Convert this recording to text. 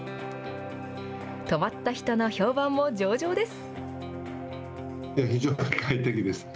泊まった人の評判も上々です。